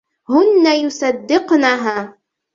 هن يصدقنها.